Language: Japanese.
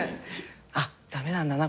あっ駄目なんだな。